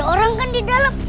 orang kan di dalam